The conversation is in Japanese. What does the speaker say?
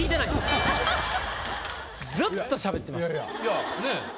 ずっとしゃべってました。